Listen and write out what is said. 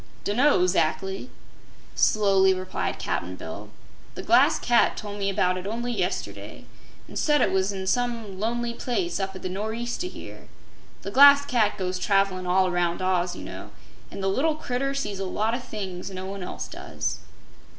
"Dun'no, zac'ly," slowly replied Cap'n Bill. "The Glass Cat tol' me about it only yesterday, an' said it was in some lonely place up at the nor'east o' here. The Glass Cat goes travelin' all around Oz, you know, an' the little critter sees a lot o' things no one else does."